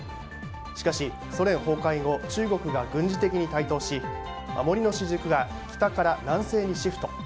しかしソ連崩壊後中国が軍事的に台頭し守りの主軸が北から南西にシフト。